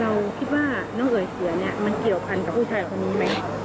เราคิดว่าน้องเอ๋ยเสียเนี่ยมันเกี่ยวพันกับผู้ชายคนนี้ไหม